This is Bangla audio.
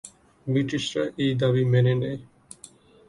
ব্রিটিশরা এই দাবি মেনে নেয়।